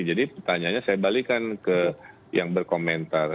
jadi pertanyaannya saya balikan ke yang berkomentar